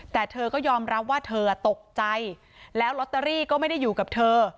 แต่เธอก็ยอมรับว่าเธอตกใจแล้วลอตเตอรี่ก็ไม่ได้อยู่กับเธอ